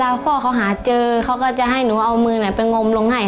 พ่อเขาหาเจอเขาก็จะให้หนูเอามือไปงมลงให้